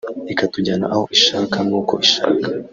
ikatujyana aho ishaka n’uko ishaka